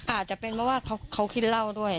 อาจจะเป็นเพราะว่าเขากินเหล้าด้วย